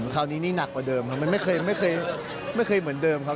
คราวนี้นี่หนักกว่าเดิมครับมันไม่เคยไม่เคยเหมือนเดิมครับ